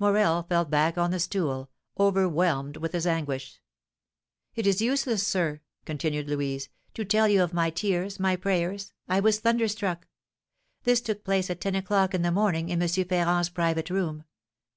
Morel fell back on the stool, overwhelmed with his anguish. "It is useless, sir," continued Louise, "to tell you of my tears, my prayers. I was thunderstruck. This took place at ten o'clock in the morning in M. Ferrand's private room.